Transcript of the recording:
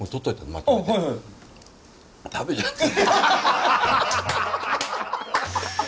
全部食べちゃった。